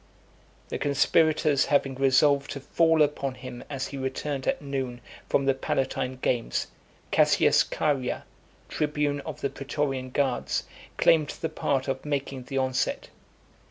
The conspirators having resolved to fall upon him as he returned at noon from the Palatine games, Cassius Chaerea, tribune of the pretorian guards, claimed the part of making the onset.